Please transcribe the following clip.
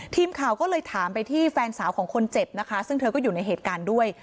ทีมข่าวก็เลยถามไปที่แฟนสาวของคนเจ็บนะคะซึ่งเธอก็อยู่ในเหตุการณ์ด้วย